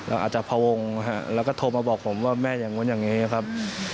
อาจจะพวงแล้วก็โทรมาบอกผมว่าแม่อย่างนู้นอย่างนี้ครับ